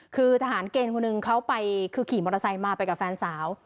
คือทหารเกณฑ์คนหนึ่งเขาไปคือขี่มอเตอร์ไซค์มาไปกับแฟนสาว